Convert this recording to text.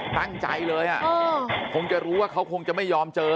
ตั้งใจเลยคงจะรู้ว่าเขาคงจะไม่ยอมเจอ